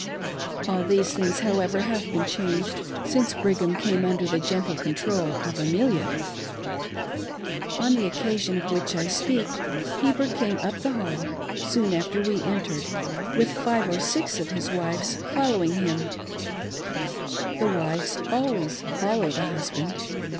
All these thitigs, however, have been changed since Brigham came under the gentle control of Amelia. On the occasion of which I speak, Heber came up the Hall, soon after we entered, with five or six of his wives following him, The wives always follow the husband.